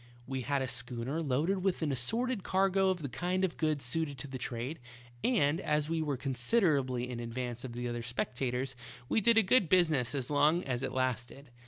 We had a schooner loaded with an assorted cargo of the kind of goods suited to the trade, and as we were con siderably in advance of the other speculators we did a good business as long as it lasted.